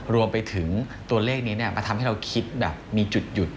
รวมไปถึงตัวเลขนี้มาทำให้เราคิดแบบมีจุดหยุด